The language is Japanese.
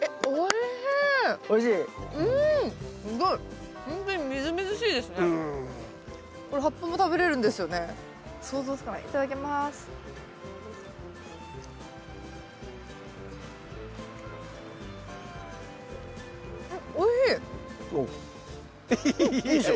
いいでしょ？